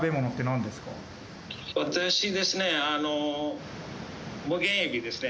私ですね。